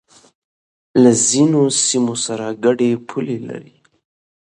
له ځینو سیمو سره گډې پولې لري